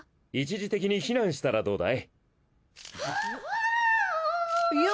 一時的に避難したらどうだい？